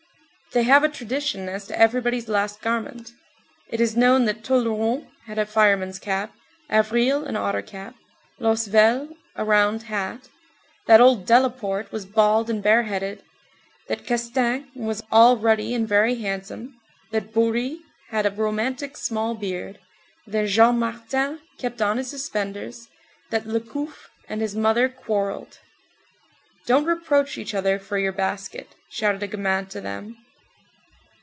They have a tradition as to everybody's last garment. It is known that Tolleron had a fireman's cap, Avril an otter cap, Losvel a round hat, that old Delaporte was bald and bareheaded, that Castaing was all ruddy and very handsome, that Bories had a romantic small beard, that Jean Martin kept on his suspenders, that Lecouffé and his mother quarrelled. "Don't reproach each other for your basket," shouted a gamin to them.